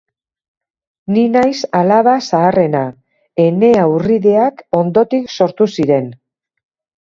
Ni naiz alaba zaharrena, ene haurrideak ondotik sortu ziren.